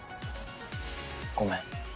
ごめん。